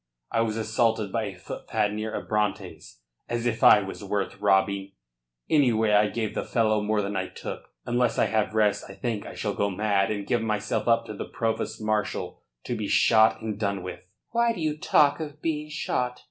I was assaulted by a footpad near Abrantes, as if I was worth robbing. Anyhow I gave the fellow more than I took. Unless I have rest I think I shall go mad and give myself up to the provost marshal to be shot and done with." "Why do you talk of being shot?